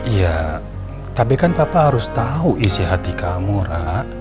iya tapi kan papa harus tahu isi hati kamu rak